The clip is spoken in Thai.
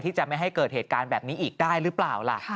ที่จะไม่ให้เกิดเหตุการณ์แบบนี้อีกได้หรือเปล่าล่ะ